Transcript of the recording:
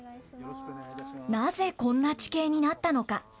なぜ、こんな地形になったのか。